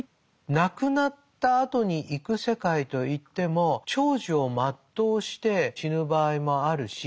亡くなったあとに行く世界といっても長寿を全うして死ぬ場合もあるし